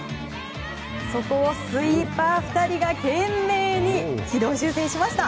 そこをスイーパー２人が懸命に軌道修正しました。